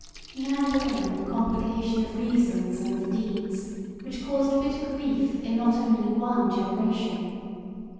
Now began the complication of reasons and deeds which caused bitter grief in not only one gene ration.